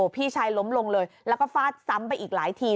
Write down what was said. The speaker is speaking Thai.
พี่ชายล้มลงเลยแล้วก็ฟาดซ้ำไปอีกหลายที